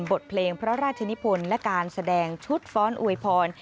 บทเพลงพระราชนิพลและการแสดงชุดฟ้อนอวยพร